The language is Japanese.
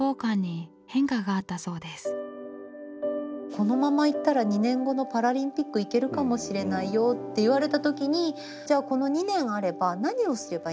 「このままいったら２年後のパラリンピック行けるかもしれないよ」って言われた時にじゃあこの２年あれば何をすればいいんだろう？